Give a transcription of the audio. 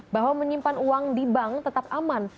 bahwa menyimpan uang di bank tetap aman